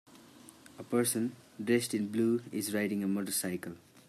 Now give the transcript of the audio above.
A person dressed in blue is riding a motorcycle.